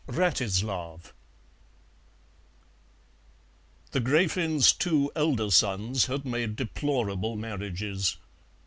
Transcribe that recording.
WRATISLAV The Gräfin's two elder sons had made deplorable marriages.